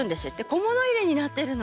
小物入れになってるの。